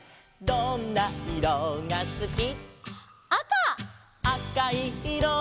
「どんないろがすき」「」